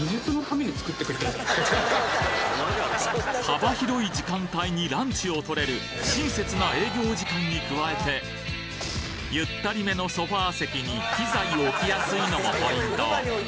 幅広い時間帯にランチをとれる親切な営業時間に加えてゆったりめのソファ席に機材を置きやすいのもポイント